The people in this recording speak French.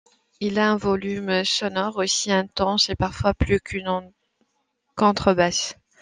Il a un volume sonore aussi intense et parfois plus qu'une contrebasse.